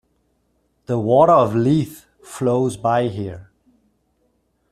The Water of Leith flows by here.